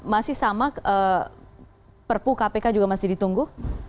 masih sama perpu kpk juga masih ditunggu